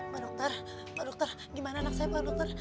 pak dokter gimana anak saya pak dokter